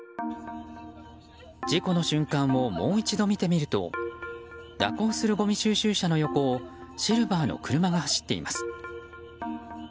事故の瞬間をもう一度見てみると蛇行するごみ収集車の横をシルバーの車が走っています。